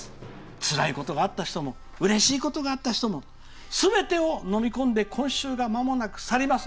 つらいことがあった人もうれしいことがあった人もすべてを飲み込んで今週が去ります。